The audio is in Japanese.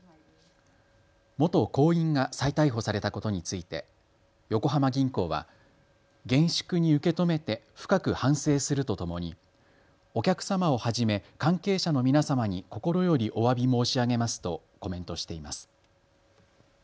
元行員が再逮捕されたことについて横浜銀行は、厳粛に受け止めて深く反省するとともにお客様をはじめ関係者の皆様に心よりおわび申し上げますとコメントしています。